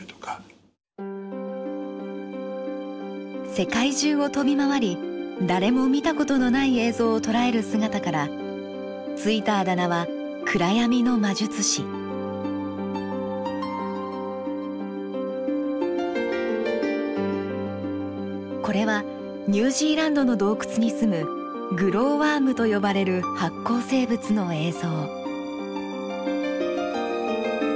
世界中を飛び回り誰も見たことのない映像を捉える姿から付いたあだ名はこれはニュージーランドの洞窟に住むグローワームと呼ばれる発光生物の映像。